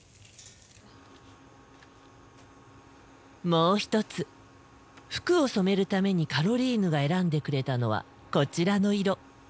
もう一つ服を染めるためにカロリーヌが選んでくれたのはこちらの色。